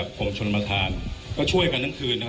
คุณผู้ชมไปฟังผู้ว่ารัฐกาลจังหวัดเชียงรายแถลงตอนนี้ค่ะ